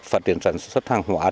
phát triển sản xuất hàng hóa